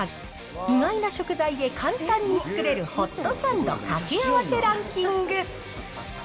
意外な食材で簡単に作れるホットサンド掛け合わせランキング。